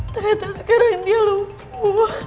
ternyata sekarang dia lupu